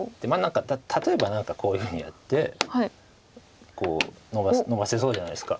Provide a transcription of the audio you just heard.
例えば何かこういうふうにやってこうのばせそうじゃないですか。